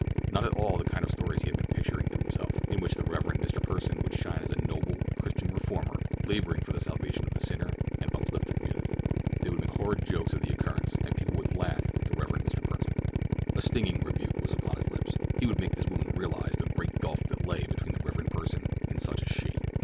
Not at all the kind of stories he had been picturing to himself, in which the Rev. Mr. Pursen would shine as a noble Christian reformer laboring for the salvation of the sinner and the uplift of the community. They would make horrid jokes of the occurrence, and people would laugh at the Rev. Mr. Pursen. A stinging rebuke was upon his lips. He would make this woman realize the great gulf that lay between the Rev. Mr. Pursen and such as she.